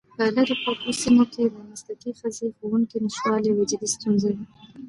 په لیرې پرتو سیمو کې د مسلکي ښځینه ښوونکو نشتوالی یوه جدي ستونزه ده.